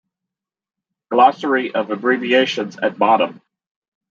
Glossary of abbreviations at bottom.